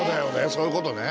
そういうことね